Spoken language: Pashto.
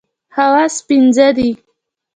حواس پنځه دي.